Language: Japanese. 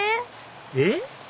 えっ？